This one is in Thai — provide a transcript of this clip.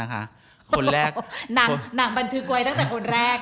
หนังบันทึกไว้ตั้งแต่คนแรก